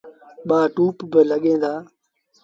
ٻآ ٽوُپ بالڳيٚن دآ۔